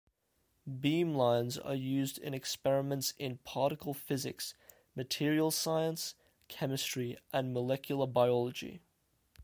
Beamlines are used in experiments in particle physics, materials science, chemistry, and molecular biology.